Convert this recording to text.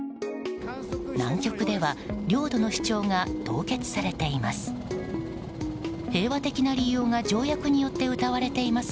南極では領土の主張が凍結されています。